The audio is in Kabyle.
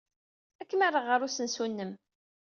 Ad kem-rreɣ ɣer usensu-nnem.